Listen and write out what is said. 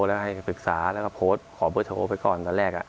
แล้วให้ปรึกษาแล้วก็โพสต์ขอเบอร์โทรไปก่อนตอนแรก